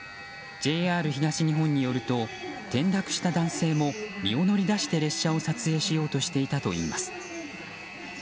ＪＲ東日本によると転落した男性も身を乗り出して、列車を撮影しようとしていたといいます。